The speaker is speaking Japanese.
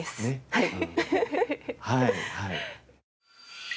はい。